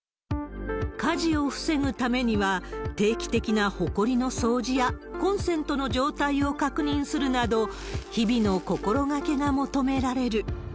火事を防ぐためには、定期的なほこりの掃除や、コンセントの状態を確認するなど、日々の心がけが求められる。